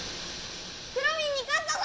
くろミンにかったぞ！